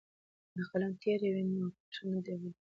که قلم تیره وي نو کرښه نه ډبلیږي.